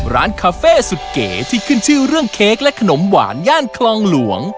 ร้านคาเฟ่สุดเก๋ที่ขึ้นชื่อเรื่องเค้กและขนมหวานย่านคลองหลวง